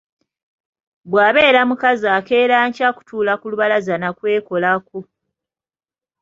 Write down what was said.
Bw'abeera mukazi akeera nkya kutuula ku lubalaza na kwekolako.